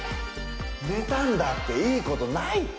ねたんだっていいことないって。